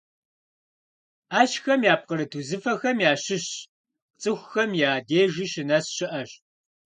Ӏэщхэм япкъырыт узыфэхэм ящыщ цӀыхухэм я дежи щынэс щыӏэщ.